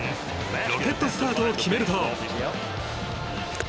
ロケットスタートを決めると。